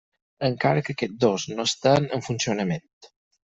Encara que aquests dos no estan en funcionament.